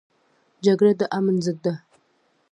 جګړه د امن ضد ده